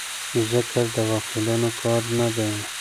ذکر د غافلانو کار نه دی.